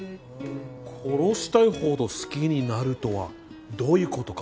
殺したいほど好きになるとはどういうことか？